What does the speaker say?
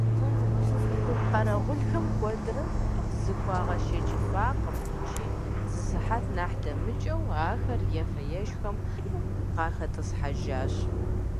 Къэрэгъулхэм куэдрэ зыхуагъэшэчыфакъым икӀи, зы сыхьэт нэхъ дэмыкӀыу, ахэри ефэ-ешхэхэм къахэтӀысхьэжащ.